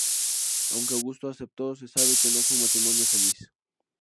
Aunque Augusto aceptó, se sabe que no fue un matrimonio feliz.